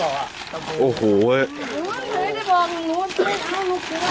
อ่ะโอ้โหเว้ยโอ้โหเดี๋ยวบอกลูกลูกลูกลูกหรือว่า